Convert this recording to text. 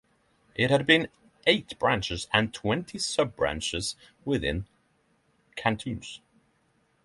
It had eight branches and twenty sub-branches within cantons.